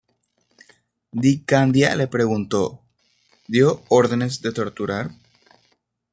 Di Candia le preguntó: ""¿Dio órdenes de torturar?"".